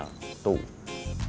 yang pertama masuk akal